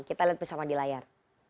kita lihat bersama di layar